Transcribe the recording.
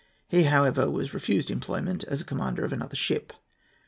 He, however, was refused employment as commander of another ship.